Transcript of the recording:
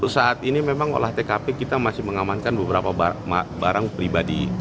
saat ini memang olah tkp kita masih mengamankan beberapa barang pribadi